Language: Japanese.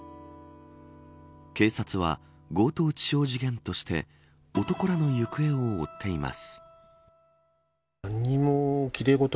警察は強盗致傷事件として男らの行方を追っています。